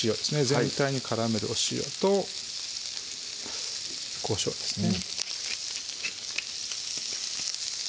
全体に絡めるお塩とこしょうですね